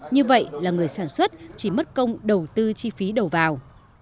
như vậy là người sản xuất chỉ mất công đầu tư chi phí đầu vào